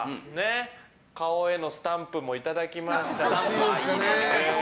顔へのスタンプもいただきましたし。